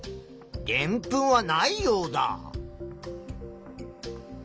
でんぷんはないヨウダ。